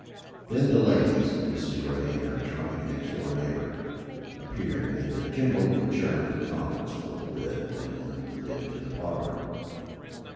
Then the ladies, Mrs. Ray and her charming next door neighbor, appeared, and the general adjourned the conference forthwith, and went with them to the parlor.